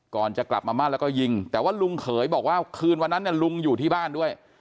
ก่อนจะกลับมาบ้านแล้วก็ยิงแต่ว่าลุงเขยบอกว่าคืนวันนั้นลุงอยู่ที่บ้านด้วย